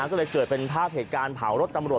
ก็เลยเกิดเป็นภาพเหตุการณ์เผารถตำรวจ